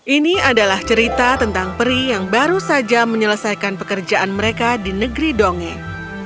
ini adalah cerita tentang peri yang baru saja menyelesaikan pekerjaan mereka di negeri dongeng